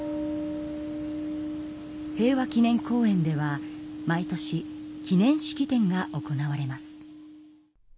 平和記念公園では毎年記念式典が行われます。